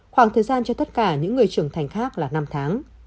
khoảng thời gian cho tất cả những người trưởng thành khác là năm tháng